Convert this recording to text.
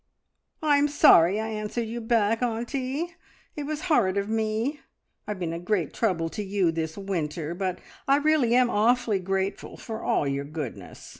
"I'm sorry I answered you back, auntie; it was horrid of me. I've been a great trouble to you this winter, but I really am awfully grateful for all your goodness.